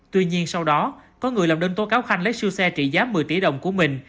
tuy nhiên sau đó có người làm đơn tố cáo khanh lấy siêu xe trị giá một mươi tỷ đồng của mình